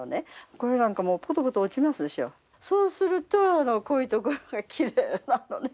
そうするとあのこういうところがきれいなのね。